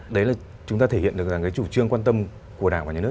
đấy là chúng ta thể hiện được chủ trương quan tâm của đảng và nhà nước